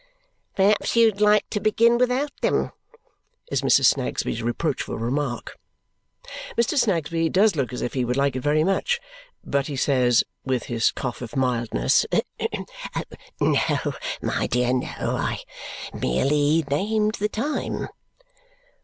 "Perhaps you'd like to begin without them," is Mrs. Snagsby's reproachful remark. Mr. Snagsby does look as if he would like it very much, but he says, with his cough of mildness, "No, my dear, no. I merely named the time."